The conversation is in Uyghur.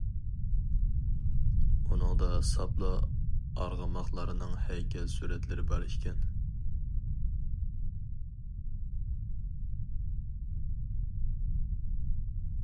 ئۇنىڭدا ساپلا ئارغىماقلارنىڭ ھەيكەل سۈرەتلىرى بار ئىكەن.